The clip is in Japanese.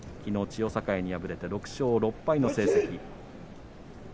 千代栄に敗れて６勝６敗の成績です。